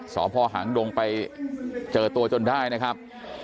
สพหางดงไปเจอตัวจนได้นะครับ